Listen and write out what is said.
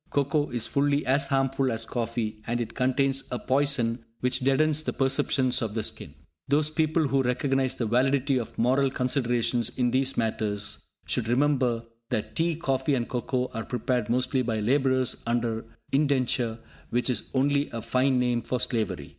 Cocoa is fully as harmful as coffee, and it contains a poison which deadens the perceptions of the skin. Those people who recognise the validity of moral considerations in these matters should remember that tea, coffee and cocoa are prepared mostly by labourers under indenture, which is only a fine name for slavery.